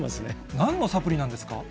なんのサプリなんですか？